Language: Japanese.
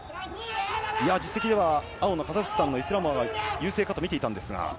実績ではカザフスタンのイスラモアが優勢かとみていたんですが。